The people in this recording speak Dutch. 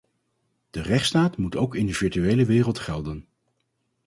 De rechtsstaat moet ook in de virtuele wereld gelden.